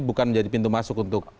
bukan menjadi pintu masuk untuk